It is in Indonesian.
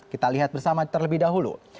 kita lihat bersama terlebih dahulu